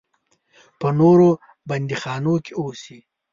په نورو بندیخانو کې اوسي.